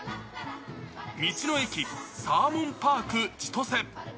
道の駅サーモンパーク千歳。